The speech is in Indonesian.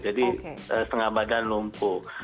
jadi setengah badan lumpuh